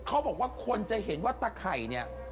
เขาบอกว่าคนจะเห็นว่าตะไข่เนี่ย